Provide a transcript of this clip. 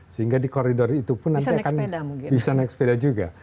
sehingga di koridor itu pun nanti akan bisa naik sepeda juga